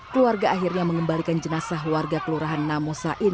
keluarga akhirnya mengembalikan jenazah warga kelurahan namo sain